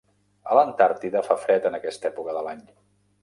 A l'Antàrtida fa fred en aquesta època de l'any.